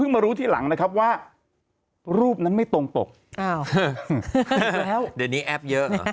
เพิ่งมารู้ที่หลังนะครับว่ารูปนั้นไม่ตรงปกอ้าวเดี๋ยวนี้แอปเยอะอ่ะ